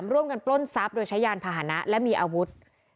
ปล้นทรัพย์โดยใช้ยานพาหนะและมีอาวุธ